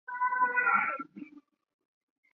兰卡斯特郡领地阿尔弗斯顿的伯基特男爵。